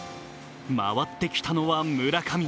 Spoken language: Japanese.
回ってきたのは村上。